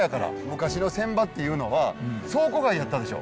昔の船場っていうのは倉庫街やったでしょ？